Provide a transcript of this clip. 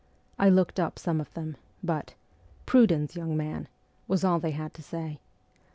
I looked up some of them ; but, ' Prudence, young man !' was all they had to say.